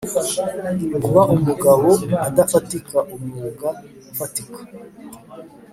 kuba umugabo adafite umwuga ufatika: